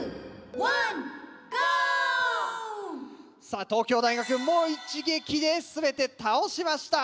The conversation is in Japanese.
さぁ東京大学も一撃で全て倒しました。